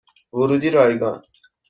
ورودی رایگان